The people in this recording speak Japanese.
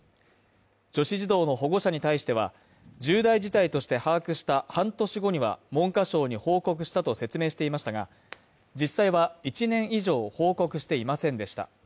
女子児童の保護者に対しては、重大事態として把握した半年後には、文科省に報告したと説明していましたが、実際は１年以上報告していませんでした。